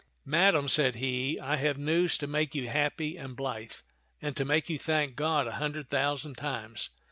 " Madame," said he, " I have news to make you happy and blithe, and to make you thank God a hundred thousand times.